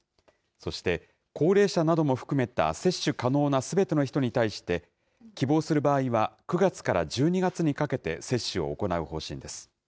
そして、高齢者なども含めた接種可能なすべての人に対して、希望する場合は９月から１２月にかけて接種を行う方針です。